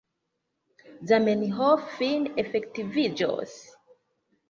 Zamenhof fine efektiviĝos.